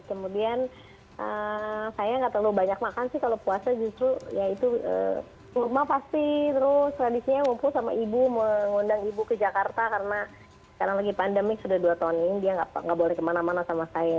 kemudian saya nggak terlalu banyak makan sih kalau puasa justru ya itu kurma pasti terus tradisinya ngumpul sama ibu mengundang ibu ke jakarta karena sekarang lagi pandemi sudah dua tahun ini dia nggak boleh kemana mana sama saya